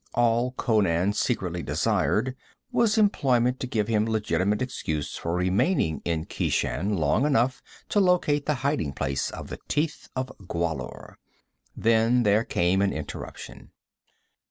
All Conan secretly desired was employment to give him legitimate excuse for remaining in Keshan long enough to locate the hiding place of the Teeth of Gwahlur. Then there came an interruption.